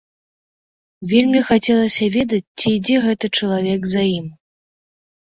Вельмі хацелася ведаць, ці ідзе гэты чалавек за ім?